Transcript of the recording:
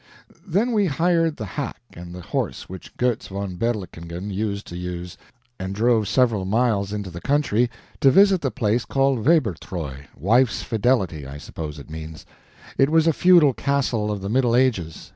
Then we hired the hack and the horse which Goetz von Berlichingen used to use, and drove several miles into the country to visit the place called WEIBERTREU Wife's Fidelity I suppose it means. It was a feudal castle of the Middle Ages.